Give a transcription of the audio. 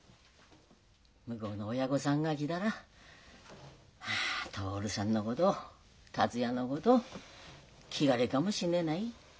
向こうの親御さんが来たら徹さんのこと達也のこと聞かれるかもしんねえない。